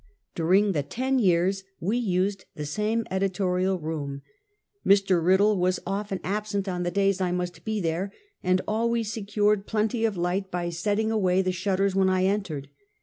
During the ten years we used the same editorial room. Mr. Riddle was often absent on the days I must be there, and always secured plenty of light by setting away the shutters when I entered.